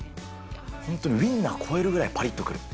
本当にウインナー超えるぐらいぱりっとくる。